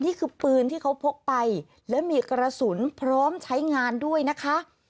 นี่คือปืนที่เขาพกไปแล้วมีกระสุนพร้อมใช้งานด้วยนะคะ